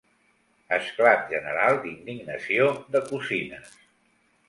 Esclat general d'indignació de cosines.